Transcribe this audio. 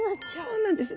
そうなんです。